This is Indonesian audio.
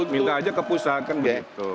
minta aja kepusahakan begitu